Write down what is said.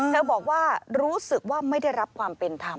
บอกว่ารู้สึกว่าไม่ได้รับความเป็นธรรม